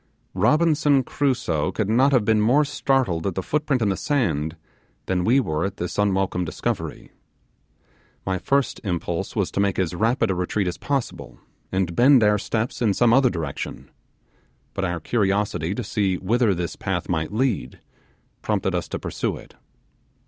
Robinson Crusoe could not have been more startled at the footprint in the sand than we were at this unwelcome discovery. My first impulse was to make as rapid a retreat as possible, and bend our steps in some other direction; but our curiosity to see whither this path might lead, prompted us to pursue it.